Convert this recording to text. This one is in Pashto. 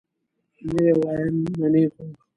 نه یې وایم، منې خو؟